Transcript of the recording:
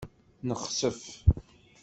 Nexsef.